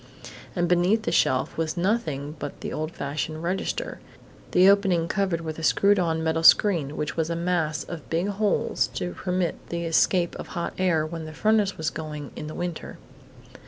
And beneath the shelf was nothing but the old fashioned register, the opening covered with a screwed on metal screen which was a mass of big holes to permit the escape of hot air when the furnace was going in the winter....